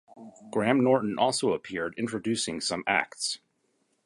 Graham Norton also appeared introducing some acts.